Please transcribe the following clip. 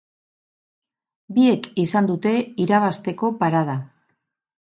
Biek izan dute irabazteko parada.